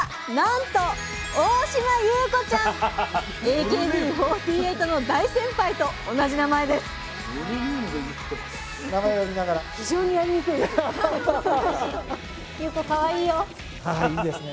ＡＫＢ４８の大先輩と同じ名前ですああいいですね。